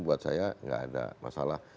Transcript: buat saya nggak ada masalah